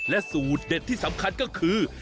สูตรเด็ดที่สำคัญก็คือ